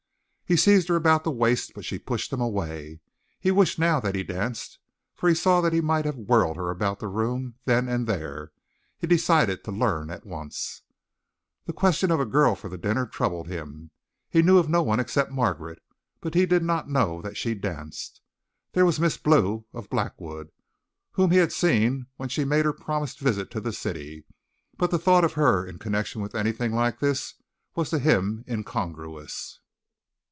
He seized her about the waist, but she pushed him away. He wished now that he danced, for he saw that he might have whirled her about the room then and there. He decided to learn at once. The question of a girl for the dinner, troubled him. He knew of no one except Margaret, and he did not know that she danced. There was Miss Blue, of Blackwood whom he had seen when she made her promised visit to the city but the thought of her in connection with anything like this was to him incongruous.